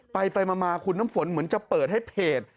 ไปมาคุณน้ำฝนเหมือนจะเปิดให้เพจ